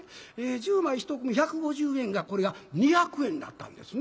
１０枚１組１５０円がこれが２００円になったんですね。